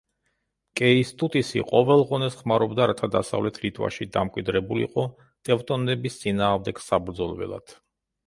კეისტუტისი ყოველ ღონეს ხმარობდა, რათა დასავლეთ ლიტვაში დამკვიდრებულიყო, ტევტონების წინააღმდეგ საბრძოლველად.